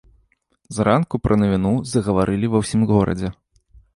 Зранку пра навіну загаварылі ва ўсім горадзе.